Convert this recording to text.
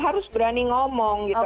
harus berani ngomong gitu